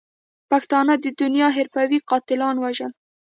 پښتانه د دنیا حرفوي قاتلاتو وژل.